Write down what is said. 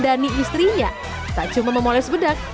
dhani istrinya tak cuma memoles bedak